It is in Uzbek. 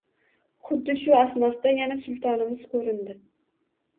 Xuddi shu asnoda yana sultonimiz ko`rindi